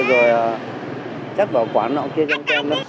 rồi chắc vào quán nào kia trong kem đâu